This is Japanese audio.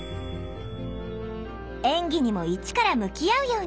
演技にもイチから向き合うように。